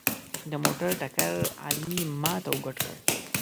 د موټر ټکر علي مات او ګوډ کړ.